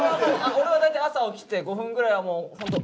俺は大体朝起きて５分ぐらいはもうホント。